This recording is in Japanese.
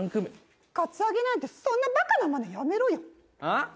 カツアゲなんてそんなバカなまねやめろよああ？